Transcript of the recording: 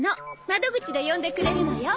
窓口で呼んでくれるのよ。